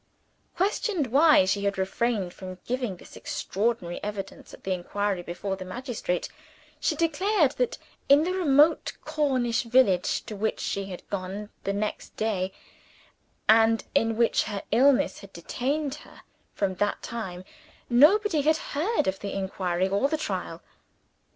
Questioned why she had refrained from giving this extraordinary evidence at the inquiry before the magistrate, she declared that in the remote Cornish village to which she had gone the next day, and in which her illness had detained her from that time, nobody had heard of the inquiry or the trial.